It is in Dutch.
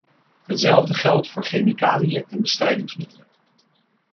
Hetzelfde geldt voor chemicaliën en bestrijdingsmiddelen.